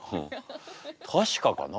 確かかな？